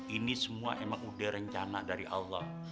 ini semua emang udah rencana dari allah